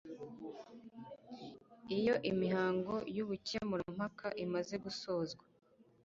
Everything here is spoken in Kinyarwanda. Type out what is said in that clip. iyo imihango y ubukemurampaka imaze gusozwa